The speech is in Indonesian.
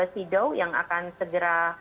sido yang akan segera